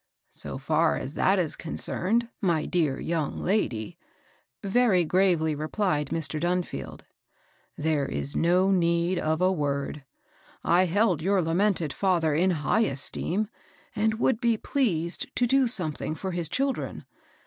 ^^So &r as that is concerned, my dear young lady," very gravely replied Mr. Dunfield, there is no need of a word. I held your lamented father in high esteem, and would be pleased to do some thing for his children.